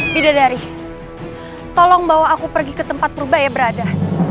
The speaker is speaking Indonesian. bidadari tolong bawa aku pergi ke tempat perubaya berada